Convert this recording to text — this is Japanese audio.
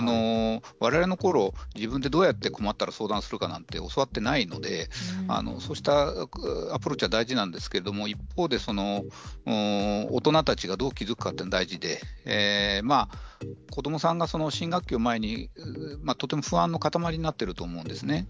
われわれのころ自分でどうやって、困ったら相談するかというのは教わっていないのでアプローチは大事なんですが一方で大人たちがどう気遣っていくかが大事で子どもさんが新学期を前にとても不安のかたまりになっていると思うんです。